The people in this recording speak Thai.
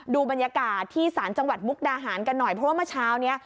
ดูบรรยากาศที่ศาลจังหวัดมุกดาหารกันหน่อยเพราะว่าเมื่อเช้านี้